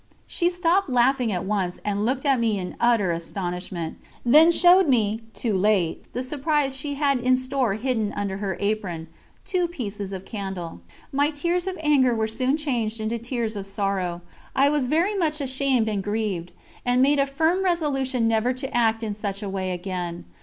She stopped laughing at once, and looked at me in utter astonishment, then showed me too late the surprise she had in store hidden under her apron two pieces of candle. My tears of anger were soon changed into tears of sorrow; I was very much ashamed and grieved, and made a firm resolution never to act in such a way again.